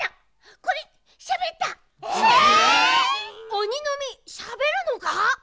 おにのみしゃべるのか？